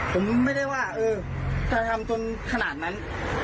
ผมไม่ได้ว่าเออจะทำจนขนาดนั้น